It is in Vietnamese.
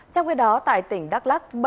trong khi đó tại tỉnh đắk lắc